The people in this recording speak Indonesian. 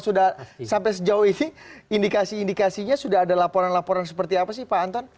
sudah sampai sejauh ini indikasi indikasinya sudah ada laporan laporan seperti apa sih pak anton